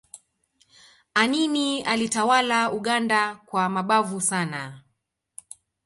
anini alitawala uganda kwa mabavu sana